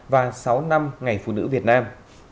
và sáu năm ngày phụ nữ việt nam